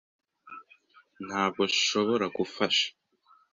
Ntabwo nshobora gufasha.